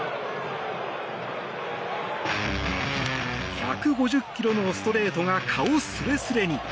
１５０キロのストレートが顔すれすれに！